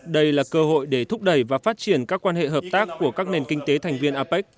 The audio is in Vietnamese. đây là cơ hội để thúc đẩy và phát triển các quan hệ hợp tác của các nền kinh tế thành viên apec